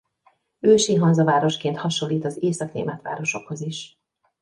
Ősi Hanza-városként hasonlít az észak-német városokhoz is.